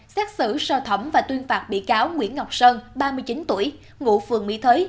xét xử sơ thẩm và tuyên phạt bị cáo nguyễn ngọc sơn ba mươi chín tuổi ngụ phường mỹ thới